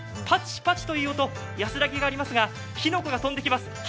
パチパチという音、安らぎがありますが火の粉が飛んできます。